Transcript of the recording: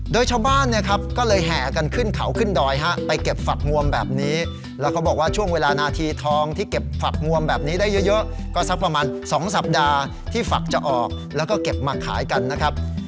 โดยชาวบ้านเนี่ยครับก็เลยแห่กันขึ้นเขาขึ้นดอยฮะไปเก็บฝักงวมแบบนี้แล้วเขาบอกว่าช่วงเวลานาทีทองที่เก็บฝักงวมแบบนี้ได้เยอะก็สักประมาณ๒สัปดาห์ที่ฝักจะออกแล้วก็เก็บมาขายกันนะครับ